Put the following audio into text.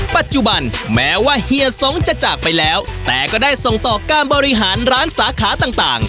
ปัจจุบันแม้ว่าเฮียสงจะจากไปแล้วแต่ก็ได้ส่งต่อการบริหารร้านสาขาต่าง